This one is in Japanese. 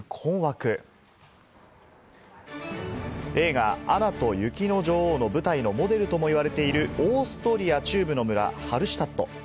『アナ雪』の村、観光客急増映画『アナと雪の女王』の舞台のモデルとも言われているオーストリア中部の村・ハルシュタット。